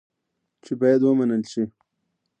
چې باید ومنل شي.